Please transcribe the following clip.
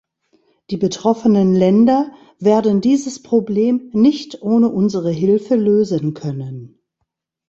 Die betroffenen Länder werden dieses Problem nicht ohne unsere Hilfe lösen können.